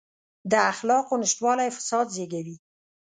د اخلاقو نشتوالی فساد زېږوي.